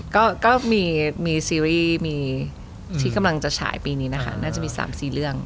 ก็มีซีรีส์มีที่กำลังจะฉายปีนี้นะคะน่าจะมี๓๔เรื่อง